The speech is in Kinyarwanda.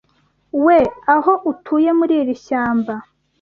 We. Aho utuye, muri iri shyamba